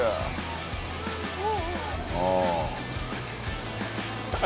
ああ。